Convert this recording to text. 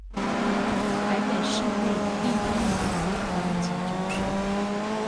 臺北市立第一女子高級中學